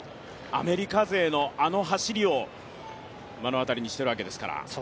アメリカ勢のあの走りを目の当たりにしているわけですから。